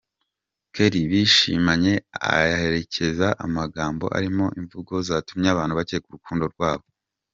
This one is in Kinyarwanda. Kelly bishimanye ayaherekeza amagambo arimo imvugo zatumye abantu bakeka amababa urukundo rwabo.